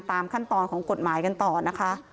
ตามขั้นตอนของกฎหมายกันต่อนะคะ